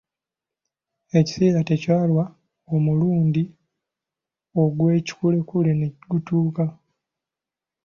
Ekiseera tekyalwa omulundi ogw'ekikulekule ne gutuuka.